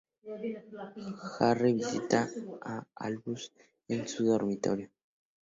Harry visita a Albus en su dormitorio.